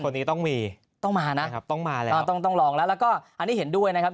คนนี้ต้องมีต้องมานะต้องลองแล้วแล้วก็อันนี้เห็นด้วยนะครับ